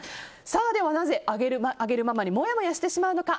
ではなぜ、あげるあげるママにもやもやしてしまうのか。